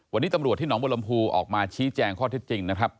วันนี้ตำรวจที่หนองบรมภูออกมาชี้แจงข้อเท็จจริงนะครับ